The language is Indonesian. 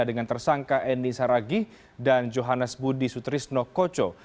dengan tersangka eni saragih dan johannes budi sutrisno koco